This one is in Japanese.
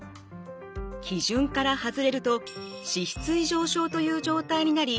基準から外れると脂質異常症という状態になり